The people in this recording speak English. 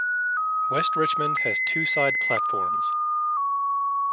West Richmond has two side platforms.